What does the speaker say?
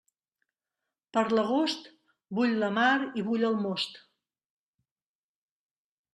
Per l'agost, bull la mar i bull el most.